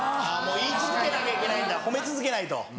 言い続けなきゃいけないんだ褒め続けないと。